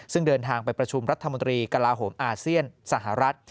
ซึ่งเดินทางไปประชุมกลาโหมอาเซียนสหรัฐ